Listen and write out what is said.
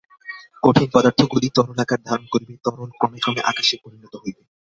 কঠিন পদার্থগুলি তরলাকার ধারণ করিবে, তরল ক্রমে ক্রমে আকাশে পরিণত হইবে।